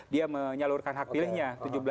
dia menyalurkan hak pilihnya tujuh belas